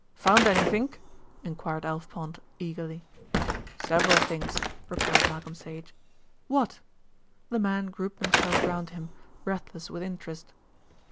"Found anythink?" enquired Alf Pond eagerly. "Several things," replied Malcolm Sage. "What?" The men grouped themselves round him, breathless with interest.